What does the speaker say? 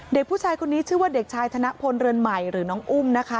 เด็กผู้ชายคนนี้ชื่อว่าเด็กชายธนพลเรือนใหม่หรือน้องอุ้มนะคะ